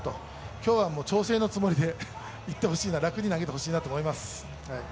今日は調整のつもりでいってほしいな、楽に投げてほしいなと思います。